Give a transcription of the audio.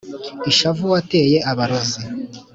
ishavu wateye abarozi